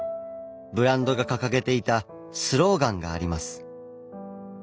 ブランドが掲げていたスローガンがあります。